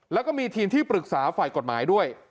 แล้วก็มีทีมที่ปรึกษาฝ่ายกฎหมายด้วย